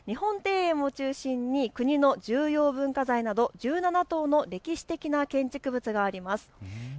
こちらの三溪園は日本庭園を中心に国の重要文化財など１７棟の歴史的な建築物があります。